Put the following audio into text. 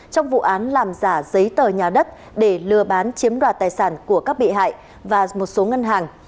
trong vụ án làm giả giấy tờ nhà đất để lừa bán chiếm đoạt tài sản của các bị hại và một số ngân hàng